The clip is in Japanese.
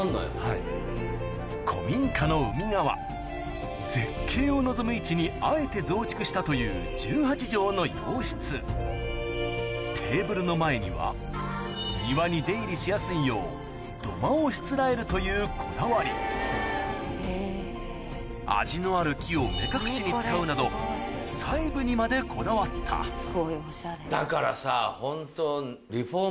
古民家の海側絶景を望む位置にあえて増築したという１８帖の洋室テーブルの前には庭に出入りしやすいよう土間をしつらえるというこだわり味のある木を目隠しに使うなど細部にまでこだわっただからさホント。